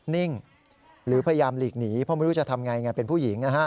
นิ่งหรือพยายามหลีกหนีเพราะไม่รู้จะทำไงไงเป็นผู้หญิง